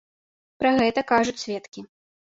Пра гэта кажуць сведкі.